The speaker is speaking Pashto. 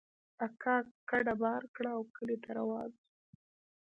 اکا کډه بار کړه او کلي ته روان سو.